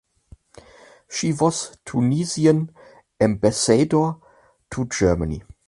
She was Tunisian ambassador to Germany.